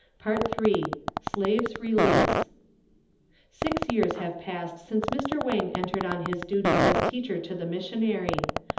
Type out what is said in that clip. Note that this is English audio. *Part III—SLAVE'S RELEASE.* Six years have passed since Mr. Wang entered on his duties as teacher to the missionary.